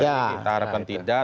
kita harapkan tidak